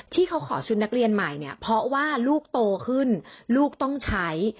ที่เขาขอชุดนักเรียนใหม่เนี่ยเพราะว่าลูกโตขึ้นลูกต้องใช้